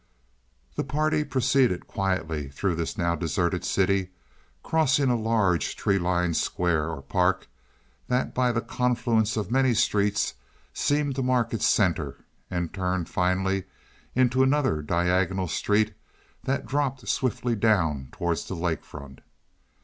The party proceeded quietly through this now deserted city, crossing a large tree lined square, or park, that by the confluence of many streets seemed to mark its center, and turned finally into another diagonal street that dropped swiftly down towards the lake front.